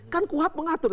kan kuhap mengatur